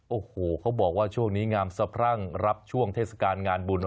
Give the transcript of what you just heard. โอ้โหเขาบอกว่าช่วงนี้งามสะพรั่งรับช่วงเทศกาลงานบุญ